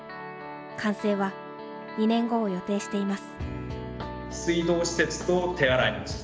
完成は２年後を予定しています。